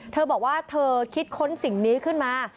เธอบอกว่าเธอคิดค้นสิ่งนี้ขึ้นมา